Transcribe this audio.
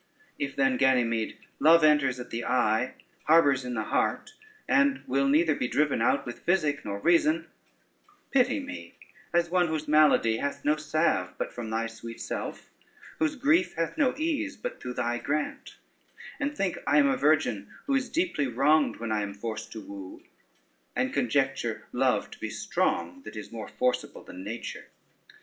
If then, Ganymede, love enters at the eye, harbors in the heart, and will neither be driven out with physic nor reason, pity me, as one whose malady hath no salve but from thy sweet self, whose grief hath no ease but through thy grant; and think I am a virgin who is deeply wronged when I am forced to woo, and conjecture love to be strong, that is more forcible than nature.